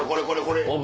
これこれ。